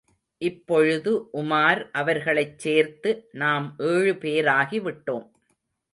இப்பொழுது, உமார் அவர்களைச் சேர்த்து நாம் ஏழு பேராகி விட்டோம்.